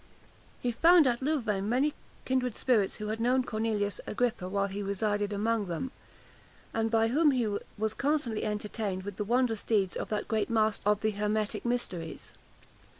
He found at Louvain many kindred spirits who had known Cornelius Agrippa while he resided among them, and by whom he was constantly entertained with the wondrous deeds of that great master of the hermetic mysteries.